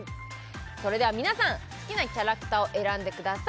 それでは皆さん好きなキャラクターを選んでください